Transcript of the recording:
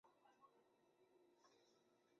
我还会是像现在一样